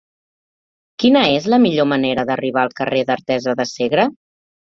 Quina és la millor manera d'arribar al carrer d'Artesa de Segre?